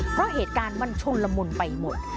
เพราะเหตุการณ์มันชุนละมุนไปหมด